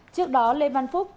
trước đó lê văn phúc